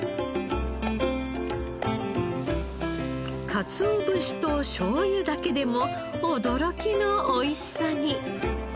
かつお節としょうゆだけでも驚きの美味しさに。